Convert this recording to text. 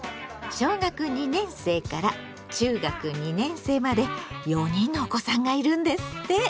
小学２年生から中学２年生まで４人のお子さんがいるんですって。